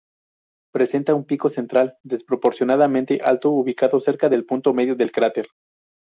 Presenta un pico central desproporcionadamente alto, ubicado cerca del punto medio del cráter.